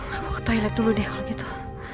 aku ke toilet dulu deh kalau gitu